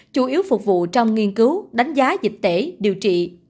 chủ yếu phục vụ trong nghiên cứu đánh giá dịch tễ điều trị